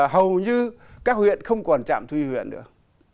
hầu như các huyện không còn trạm thuy huyện được